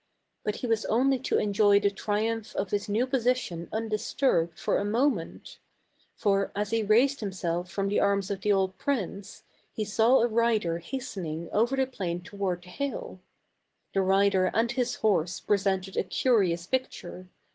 But he was only to enjoy the triumph of his new position undisturbed for a moment ; for, as he raised himself from the arms of the old prince, he saw a rider hastening over the plain toward the hill. The rider and his horse presented a curious picture.